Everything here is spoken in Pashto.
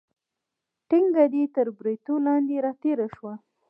ټنګه دې تر بریتو لاندې راتېره شوه.